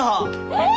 えっ！？